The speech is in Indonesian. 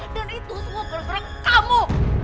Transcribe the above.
dan itu semua berusaha kamu